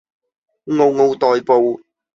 嗷嗷待哺